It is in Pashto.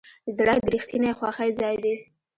زړه د رښتینې خوښۍ ځای دی.